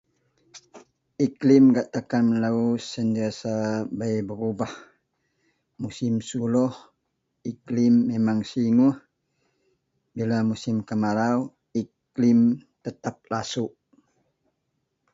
iklim gak takan melou sentiasa bei berubah, musim suloh iklim memang seguih, bila musim kemarau iklim tetap lasuk